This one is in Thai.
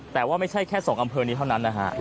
แต่ว่าไม่ใช่แค่๒อำเภอนี้เท่านั้นนะฮะ